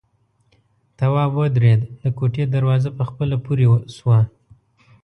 تواب ودرېد، د کوټې دروازه په خپله پورې شوه.